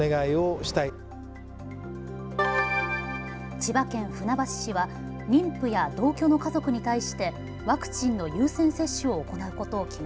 千葉県船橋市は妊婦や同居の家族に対してワクチンの優先接種を行うことを決め